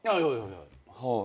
はい。